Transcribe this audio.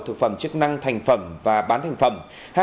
thực phẩm chức năng thành phẩm và bán thành phẩm